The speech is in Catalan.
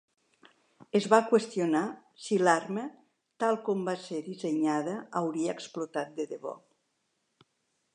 Es va qüestionar si l'arma tal com va ser dissenyada hauria explotat de debò.